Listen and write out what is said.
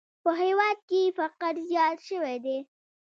په هېواد کې فقر زیات شوی دی!